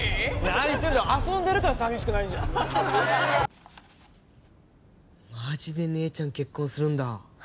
・何言ってんだ遊んでるから寂しくないんじゃんマジで姉ちゃん結婚するんだ？